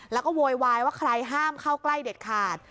แล้วก็โวยวายว่าใครห้ามเข้าใกล้เด็ดขาด